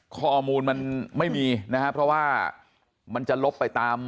ข้อมูลมันไม่มีนะครับเพราะว่ามันจะลบไปตาม